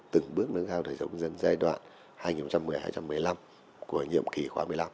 từng bước nâng cao đời sống dân giai đoạn hai nghìn một mươi hai nghìn một mươi năm của nhiệm kỳ khóa một mươi năm